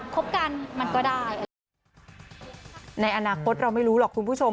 วันหนึ่งเราอาจจะไปเจอ